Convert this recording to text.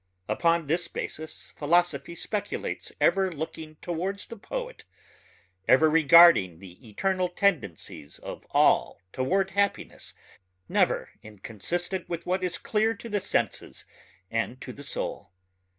Upon this basis philosophy speculates ever looking towards the poet, ever regarding the eternal tendencies of all toward happiness never inconsistent with what is clear to the senses and to the soul.